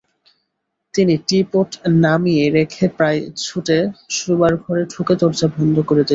তিনি টী-পট নামিয়ে রেখে প্রায় ছুটে শোবার ঘরে ঢুকে দরজা বন্ধ করে দিলেন।